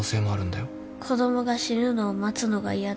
子供が死ぬのを待つのが嫌だ。